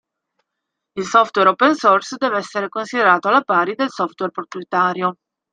Il software open source deve essere considerato alla pari del software proprietario.